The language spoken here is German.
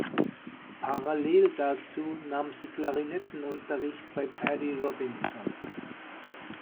Parallel dazu nahm sie Klarinettenunterricht bei Perry Robinson.